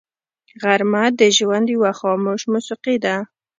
غرمه د ژوند یوه خاموش موسیقي ده